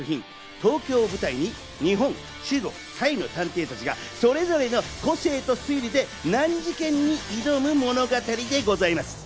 東京を舞台に日本、中国、タイの探偵たちがそれぞれの個性と推理で難事件に挑む物語でございます。